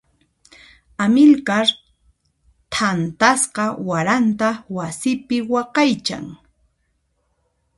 Amilcar thantasqa waranta wasipi waqaychan.